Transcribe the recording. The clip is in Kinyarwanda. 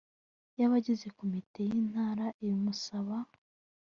cy abagize komite y intara ibimusaba